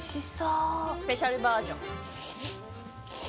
スペシャルバージョン。